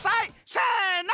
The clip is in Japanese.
せの！